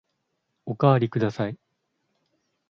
おかわりください。